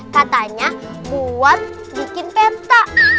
katanya buat bikin peta